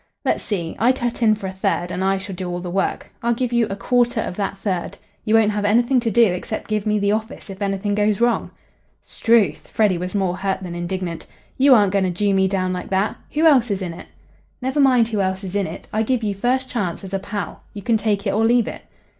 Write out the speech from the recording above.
"Let's see. I cut in for a third, and I shall do all the work. I'll give you a quarter of that third. You won't have anything to do, except give me the office if anything goes wrong." "'Struth!" Freddy was more hurt than indignant. "You aren't going to Jew me down like that. Who else is in it?" "Never mind who else is in it. I give you first chance, as a pal. You can take it or leave it."